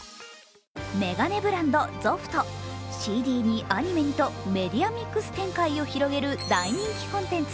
眼鏡ブランドＺｏｆｆとＣＤにアニメにとメディアミックス展開を広げる大人気コンテンツ